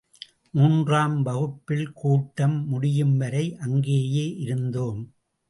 மூன்றாம் வகுப்பில், கூட்டம் முடியும் வரை அங்கேயே இருந்தோம்.